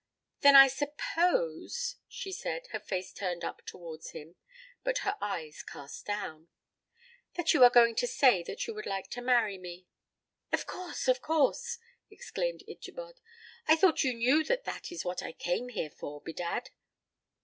"Then I suppose," she said, her face turned up towards him, but her eyes cast down, "that you are going to say that you would like to marry me?" "Of course, of course," exclaimed Ichabod; "I thought you knew that that is what I came here for, bedad."